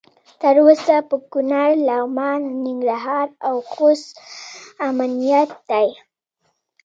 تر اوسه په کنړ، لغمان، ننګرهار او خوست امنیت دی.